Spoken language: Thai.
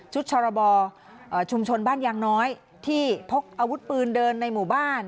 ชรบชุมชนบ้านยางน้อยที่พกอาวุธปืนเดินในหมู่บ้าน